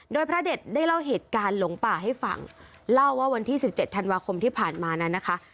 โดยพระเด็ดได้เล่าเหตุการณ์หลงป่าให้ฟังเล่าว่าวันที่สิบเจ็ดธันวาคมที่ผ่านมานั้นนะคะ